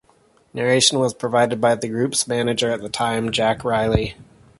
Narration was provided by the group's manager at the time, Jack Rieley.